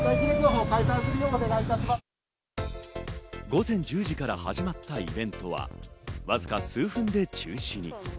午前１０時から始まったイベントは、わずか数分で中止に。